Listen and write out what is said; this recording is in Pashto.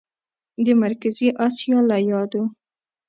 د مرکزي اسیا له یادو